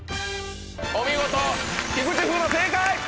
お見事菊池風磨正解！